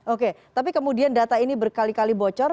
oke tapi kemudian data ini berkali kali bocor